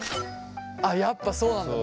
あっやっぱそうなんだ。